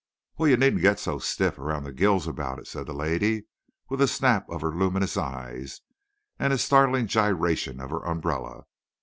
"Well, you needn't get so stiff around the gills about it," said the lady, with a snap of her luminous eyes and a startling gyration of her umbrella.